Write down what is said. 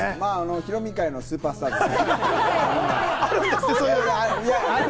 「ヒロミ界」のスーパースターです。